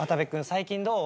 最近どう？